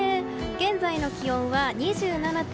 現在の気温は２７．１度。